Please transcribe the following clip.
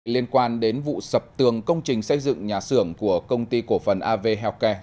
liên quan đến vụ sập tường công trình xây dựng nhà xưởng của công ty cổ phần av healthcare